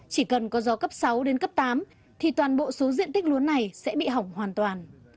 chỉ cần có gió cấp sáu đến cấp tám thì toàn bộ số diện tích lúa này sẽ bị hỏng hoàn toàn